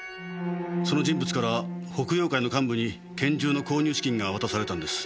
その人物から北洋会の幹部に拳銃の購入資金が渡されたんです。